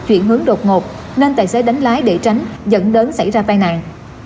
chuyển hướng đột ngột nên tài xế đánh lái để tránh dẫn đến xảy ra tai nạn